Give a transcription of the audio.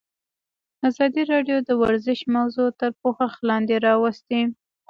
ازادي راډیو د ورزش موضوع تر پوښښ لاندې راوستې.